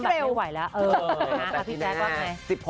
พี่แจ๊กว่าไง